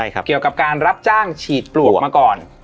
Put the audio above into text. เกี่ยวกับการรับจ้างฉีดปลวกมาก่อน